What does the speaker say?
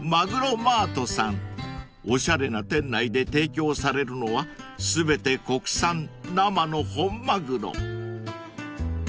［おしゃれな店内で提供されるのは全て国産生の本マグロ］